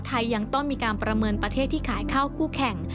ยังต้องมีการประเมินประเทศที่ขายข้าวคู่แข่ง